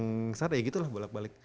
yang besar ya gitu lah bolak balik